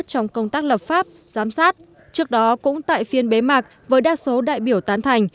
trong công tác lập pháp giám sát trước đó cũng tại phiên bế mạc với đa số đại biểu tán thành